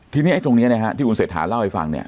ทีนี้ไอ้ตรงนี้นะฮะที่คุณเศรษฐาเล่าให้ฟังเนี่ย